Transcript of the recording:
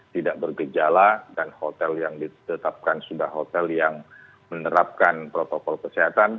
tidak bergejala dan hotel yang ditetapkan sudah hotel yang menerapkan protokol kesehatan